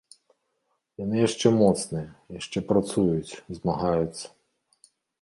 Яны яшчэ моцныя, яшчэ працуюць, змагаюцца.